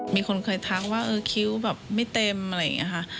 มีคนเคยทักว่าเออคิ้วแบบไม่เต็มอะไรอย่างนี้ค่ะ